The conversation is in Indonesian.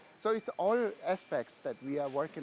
jadi itu semua aspek yang kami kerjakan